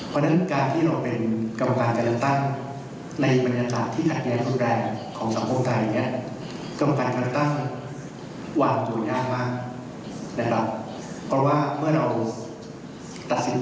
เพราะฉะนั้นการที่เราเป็นกรการการตั้ง